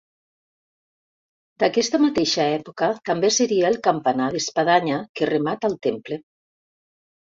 D'aquesta mateixa època també seria el campanar d'espadanya que remata el temple.